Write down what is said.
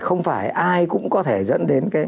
không phải ai cũng có thể dẫn đến